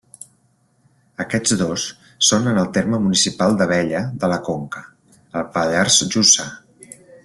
Aquests dos són en el terme municipal d'Abella de la Conca, al Pallars Jussà.